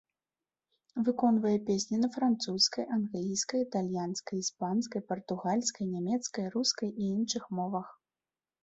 Выконвае песні на французскай, англійскай, італьянскай, іспанскай, партугальскай, нямецкай, рускай і іншых мовах.